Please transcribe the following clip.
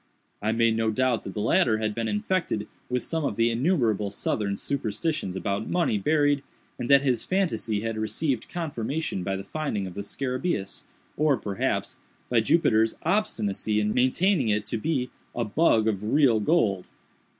I made no doubt that the latter had been infected with some of the innumerable Southern superstitions about money buried, and that his phantasy had received confirmation by the finding of the scarabæus, or, perhaps, by Jupiter's obstinacy in maintaining it to be "a bug of real gold."